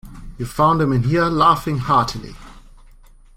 You found him in here, laughing heartily.